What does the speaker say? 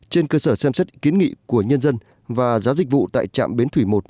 trên cơ sở xem xét kiến nghị của nhân dân và giá dịch vụ tại trạm biến thủy một